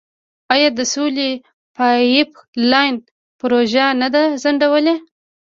آیا د سولې پایپ لاین پروژه نه ده ځنډیدلې؟